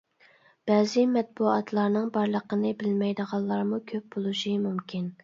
بەزى مەتبۇئاتلارنىڭ بارلىقىنى بىلمەيدىغانلارمۇ كۆپ بولۇشى مۇمكىن.